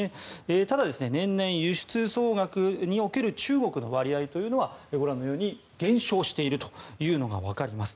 ただ、年々輸出総額における中国の割合はご覧のように減少しているというのが分かります。